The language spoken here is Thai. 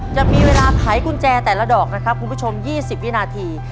จะมีเวลาขายกุญแจแต่ละดอก๕๐วินาที